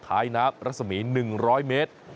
ท้ายน้ำรัศมี๑๐๐เมตร